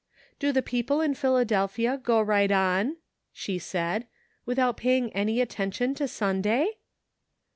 "Do the people in Philadelphia go right on," she said, " without paying any attention to Sunday?"